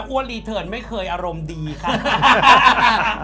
ว่ารีเทิร์นไม่เคยอารมณ์ดีค่ะ